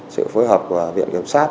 sự phối hợp của viện kiểm soát